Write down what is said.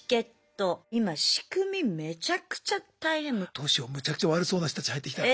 どうしようむちゃくちゃ悪そうな人たち入ってきたら。